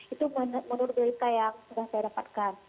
itu menurut berita yang sudah saya dapatkan